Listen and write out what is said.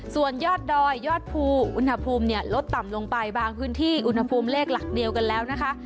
ส่วนยอดดอยยอดภูอุณหภูมิเนี่ยลดต่ำลงไปบางพื้นที่อุณหภูมิเลขหลักเดียวกันแล้วนะคะ